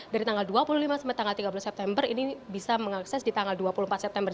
dari tanggal dua puluh lima sampai tanggal tiga belas september ini bisa mengakses di tanggal dua puluh empat september